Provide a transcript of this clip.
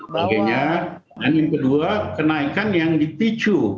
dan yang kedua kenaikan yang dipicu